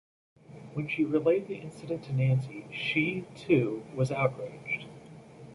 When she relayed the incident to Nancy, she, too, was outraged.